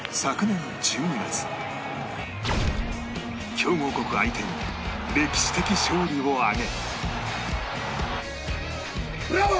強豪国相手に歴史的勝利を挙げ